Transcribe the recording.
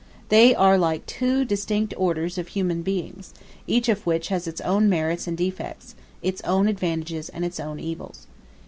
They are like two distinct orders of human beings, each of which has its own merits and defects, its own advantages and its own evils.